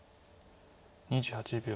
２８秒。